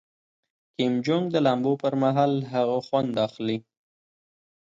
کیم جونګ د لامبو پر مهال له هغه خوند اخلي.